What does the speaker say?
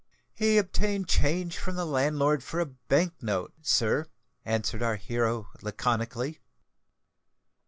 "He obtained change from the landlord for a bank note, sir," answered our hero laconically.